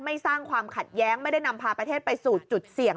สร้างความขัดแย้งไม่ได้นำพาประเทศไปสู่จุดเสี่ยง